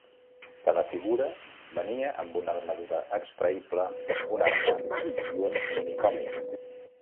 Cada figura venia amb una armadura extraïble, una arma i un minicòmic.